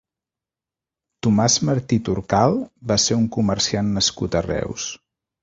Tomàs Martí Torcal va ser un comerciant nascut a Reus.